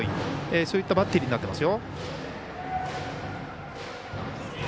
そういったバッテリーになっていますよ。